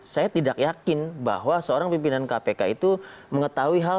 saya tidak yakin bahwa seorang pimpinan kpk itu mengetahui hal